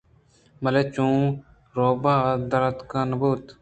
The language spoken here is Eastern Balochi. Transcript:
بلے چو روباہ ءَ دراتک نہ بُوت